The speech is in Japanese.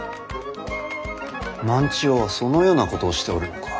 万千代はそのようなことをしておるのか。